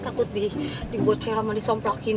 takut dibocer sama disomplokin